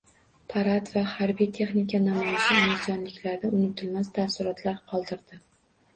Parad va harbiy texnika namoyishi andijonliklarda unutilmas taassurotlar qoldirdi